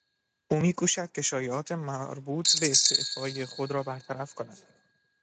او میکوشد که شایعات مربوط به استعفای خود را برطرف کند.